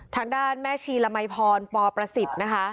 ทางด้านแม่ชีละมัยพรปประสิทธิ์นะคะ